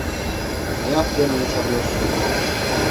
Ne yaptığınızı sanıyorsunuz siz?